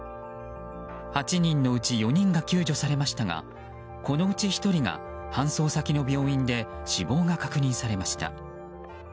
８人のうち４人が救助されましたがこのうち１人が搬送先の病院で死亡が確認されました。